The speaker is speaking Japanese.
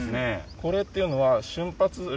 これっていうのは。